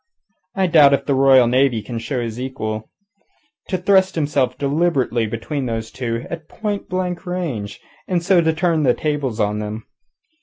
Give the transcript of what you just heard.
I doubt if the Royal Navy can show his equal. To thrust himself deliberately between those two, at point blank range, and so turn the tables on them!